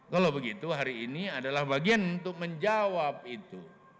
kalau begitu hari ini adalah bagian untuk menjawab itu